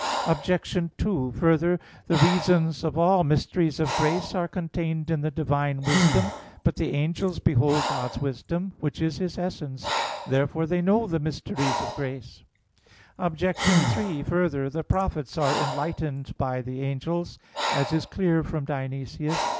Obj. 2: Further, the reasons of all mysteries of grace are contained in the Divine wisdom. But the angels behold God's wisdom, which is His essence. Therefore they know the mysteries of grace. Obj. 3: Further, the prophets are enlightened by the angels, as is clear from Dionysius (Coel. Hier. iv).